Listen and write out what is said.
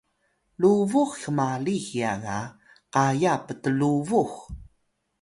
lubux hmali hiya ga qaya ptlubux